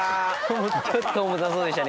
ちょっと重たそうでしたね